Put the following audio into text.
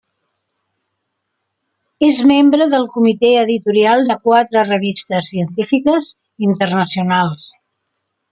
És membre del comitè editorial de quatre revistes científiques internacionals.